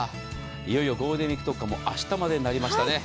いよいよゴールデンウイーク特価も明日までになりましたね。